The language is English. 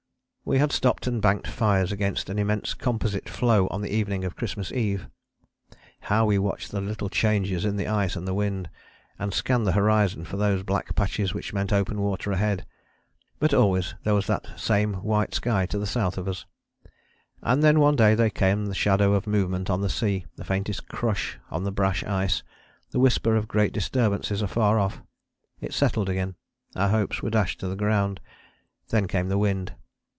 We had stopped and banked fires against an immense composite floe on the evening of Christmas Eve. How we watched the little changes in the ice and the wind, and scanned the horizon for those black patches which meant open water ahead. But always there was that same white sky to the south of us. And then one day there came the shadow of movement on the sea, the faintest crush on the brash ice, the whisper of great disturbances afar off. It settled again: our hopes were dashed to the ground. Then came the wind.